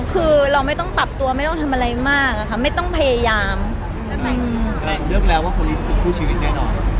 คือเราไม่ต้องปรับตัวไม่ต้องทำอะไรมากอะค่ะไม่ต้องพยายามจะแต่งเลือกแล้วว่าคนนี้คือคู่ชีวิตแน่นอน